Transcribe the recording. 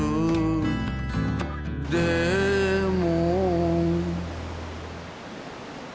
「でも」